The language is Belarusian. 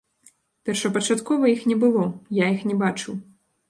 Першапачаткова іх не было, я іх не бачыў.